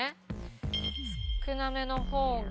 少なめの方が。